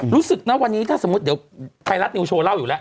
รู้สึกนะวันนี้ถ้าสมมุติเดี๋ยวไทยรัฐนิวโชว์เล่าอยู่แล้ว